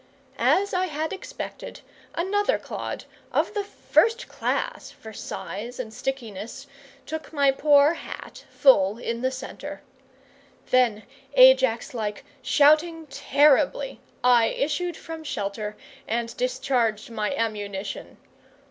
As I had expected, another clod, of the first class for size and stickiness, took my poor hat full in the centre. Then, Ajax like, shouting terribly, I issued from shelter and discharged my ammunition.